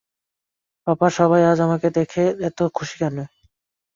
পাপা, সবাই আজ আমাকে দেখে এতো খুশি কেন?